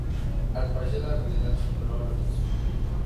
Al parecer la realidad superó a la ficción.